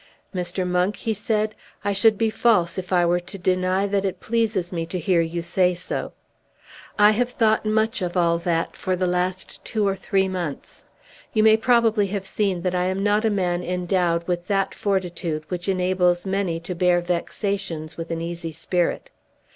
"Mr. Monk," he said, "I should be false if I were to deny that it pleases me to hear you say so. I have thought much of all that for the last two or three months. You may probably have seen that I am not a man endowed with that fortitude which enables many to bear vexations with an easy spirit.